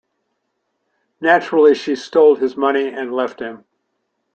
Naturally, she stole his money and left him.